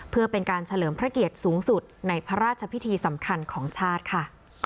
เพื่อเป็นการเฉลิมพระเกียรติสูงสุดในพระราชพิธีสำคัญของชาติค่ะ